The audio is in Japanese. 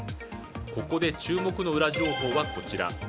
ここで注目のウラ情報はこちら。